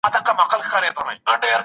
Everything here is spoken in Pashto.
حقوق الله د بنده د غاړې پور دی.